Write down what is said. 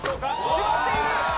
決まっている！